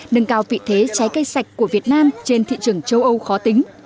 nâng cao vị thế trái cây sạch của việt nam trên thị trường châu âu khó tính